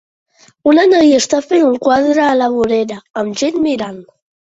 Una noia està fent un quadre a la vorera amb gent mirant